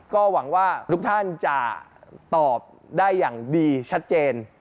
ก็หวังว่าทุกท่านจะตอบได้อย่างดีชัดเจน